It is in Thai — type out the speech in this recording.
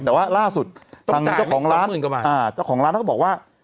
แต่ว่าล่าสุดทางเจ้าของร้านเจ้าของร้านเขาก็บอกว่า